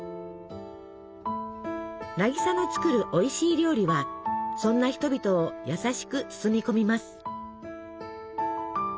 渚の作るおいしい料理はそんな人々を優しく包み込みます。